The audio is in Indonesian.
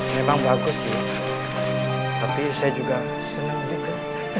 memang bagus sih tapi saya juga senang juga